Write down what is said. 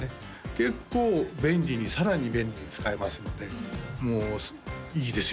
結構便利にさらに便利に使えますのでもういいですよ